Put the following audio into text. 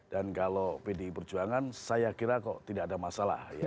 dan kalau bdp perjuangan saya kira kok tidak ada masalah ya